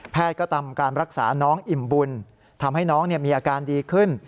ก็ทำการรักษาน้องอิ่มบุญทำให้น้องมีอาการดีขึ้น